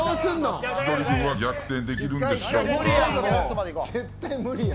千鳥軍は逆転できるんでしょうか。